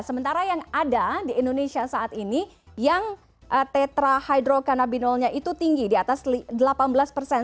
sementara yang ada di indonesia saat ini yang tetra hydrokanabinolnya itu tinggi di atas delapan belas persen